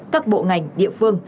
các bộ ngành địa phương